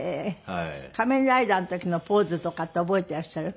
仮面ライダーの時のポーズとかって覚えていらっしゃる？